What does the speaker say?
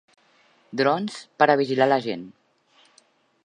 Drons per a vigilar la gent.